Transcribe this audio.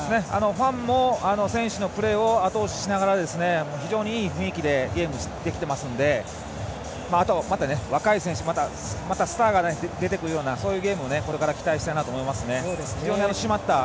ファンも、選手のプレーをあと押ししながら非常に、いい雰囲気でゲームできていますのであとは、若い選手またスターが出てくるようなそういうゲームをこれから期待したいなと思います。